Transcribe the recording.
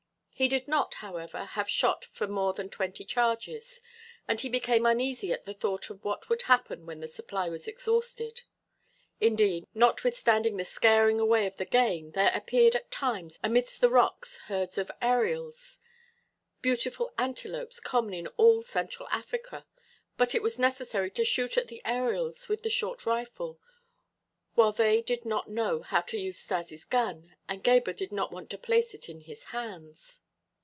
He did not, however, have shot for more than twenty charges and he became uneasy at the thought of what would happen when the supply was exhausted. Indeed, notwithstanding the scaring away of the game, there appeared at times amidst the rocks herds of ariels, beautiful antelopes common in all Central Africa, but it was necessary to shoot at the ariels with the short rifle, while they did not know how to use Stas' gun and Gebhr did not want to place it in his hands.